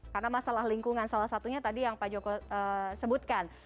karena masalah lingkungan salah satunya tadi yang pak joko sebutkan